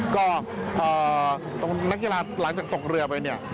ก็นักกีฬาหลังจากตกเรือไป